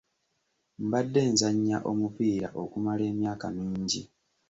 Mbadde nzannya omupiira okumala emyaka mingi.